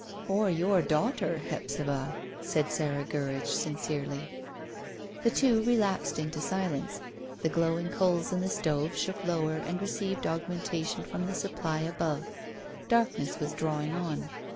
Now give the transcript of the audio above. "Or your daughter, Hephzibah," said Sarah Gurridge sincerely. The two relapsed into silence. The glowing coals in the stove shook lower and received augmentation from the supply above. Darkness was drawing on.